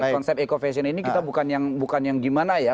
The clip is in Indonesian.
konsep eco fashion ini kita bukan yang gimana ya